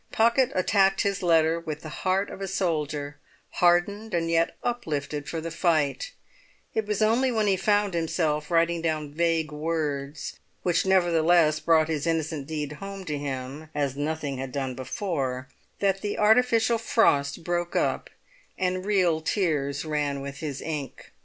Pocket attacked his letter with the heart of a soldier, hardened and yet uplifted for the fight; it was only when he found himself writing down vague words, which nevertheless brought his innocent deed home to him as nothing had done before, that the artificial frost broke up, and real tears ran with his ink.